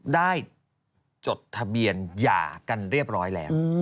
จดทะเบียนหย่ากันเรียบร้อยแล้ว